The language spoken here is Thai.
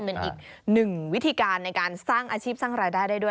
เป็นอีกหนึ่งวิธีการในการสร้างอาชีพสร้างรายได้ได้ด้วย